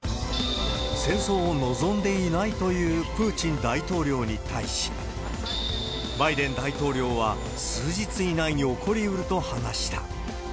戦争を望んでいないというプーチン大統領に対し、バイデン大統領は、数日以内に起こりうると話した。